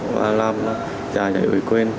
và làm giải giải ủi quyền